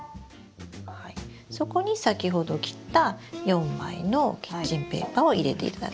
そこに先ほど切った４枚のキッチンペーパーを入れていただく。